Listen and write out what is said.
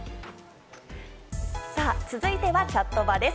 続いてはチャットバです。